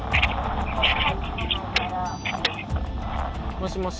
もしもし？